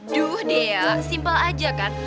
duh dea simple aja kan